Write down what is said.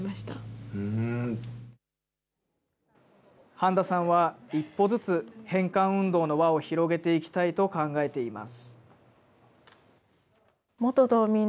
半田さんは、一歩ずつ返還運動の輪を広げていきたいと考えています。